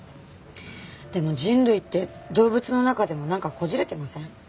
でも人類って動物の中でもなんかこじれてません？